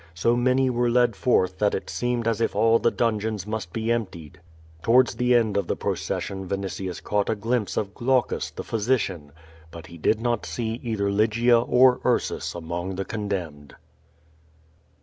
So many were led forth that it seemed as if all the dungeons must be emptied. Towards the end of the procession Vinitius caught a glimpse of Glaucus, the physician; but he did not see either Lygia or Ursus among the condemned.